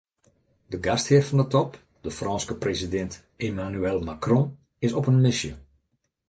De gasthear fan de top, de Frânske presidint Emmanuel Macron, is op in misje.